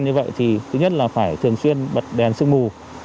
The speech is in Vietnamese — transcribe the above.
như vậy thì thứ nhất là phải thường xuyên bật đèn sương mù